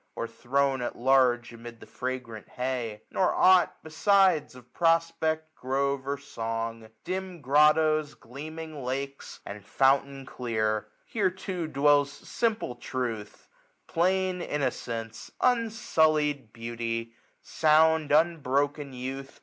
Or thrown at large amid the fragrant hay ; Nor ought besides of prospect, grove, or song. Dim grottoes, gleaming lakes, and fountain clear. 127a Here too dwells simple truth ; plain innocencie ; Unsullied beauty ; sound unbroken youth.